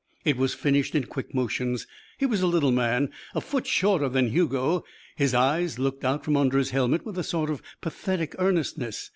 It was finished in quick motions. He was a little man a foot shorter than Hugo. His eyes looked out from under his helmet with a sort of pathetic earnestness.